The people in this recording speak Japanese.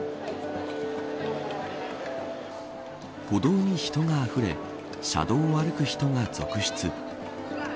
歩道に人があふれ車道を歩く人が続出。